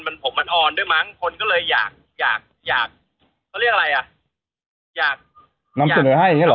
ด้วยมั้งคนก็เลยอยากเขาเรียกอะไรอ่ะอยากน้ำส่วนให้อย่างงี้เหรอ